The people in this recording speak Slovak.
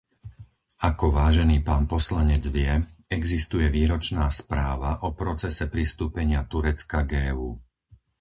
Ako vážený pán poslanec vie, existuje výročná správa o procese pristúpenia Turecka k EÚ.